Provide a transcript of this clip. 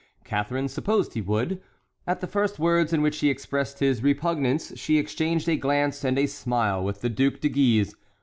Catharine supposed he would. At the first words in which he expressed his repugnance she exchanged a glance and a smile with the Duc de Guise.